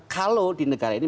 kalau di negara ini